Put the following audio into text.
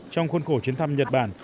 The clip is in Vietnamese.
trong khuôn khổ chiến thăm nhật bản